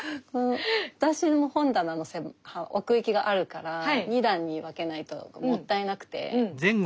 私も本棚の奥行きがあるから２段に分けないともったいなくて。